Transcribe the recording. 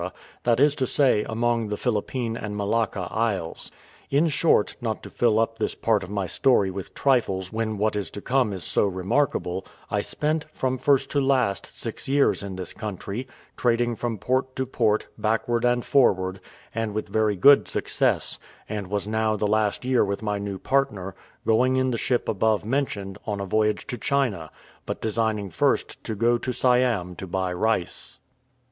that is to say, among the Philippine and Malacca isles. In short, not to fill up this part of my story with trifles when what is to come is so remarkable, I spent, from first to last, six years in this country, trading from port to port, backward and forward, and with very good success, and was now the last year with my new partner, going in the ship above mentioned, on a voyage to China, but designing first to go to Siam to buy rice.